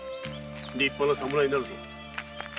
立派な侍になるぞ。